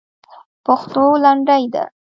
پښتو لنډۍ ده.